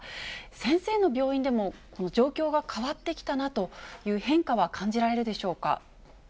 先生の病院でも、この状況が変わってきたなという変化は感じられるでしょうか。